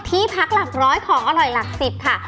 ที่พักหลักร้อยของอร่อยหลัก๑๐ค่ะ